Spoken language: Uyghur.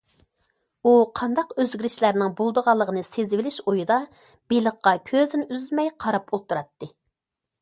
ئۇ قانداق ئۆزگىرىشلەرنىڭ بولىدىغانلىقىنى سېزىۋېلىش ئويىدا، بېلىققا كۆزىنى ئۈزمەي قاراپ ئولتۇراتتى.